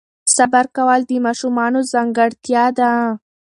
صبر کول د ماشومانو ځانګړتیا ده.